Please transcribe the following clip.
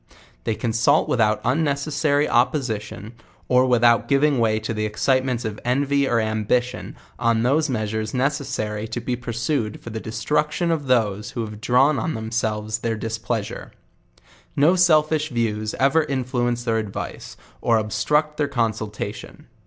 They consult without unnecssary opposition, or without giving way to tho excitements of envy or ambition, on the measures necessary to be pursued fur the destruction of those who have drawn on themselves their displeasure. No sel fish views ever influence their advice, or obstruct their con sultation.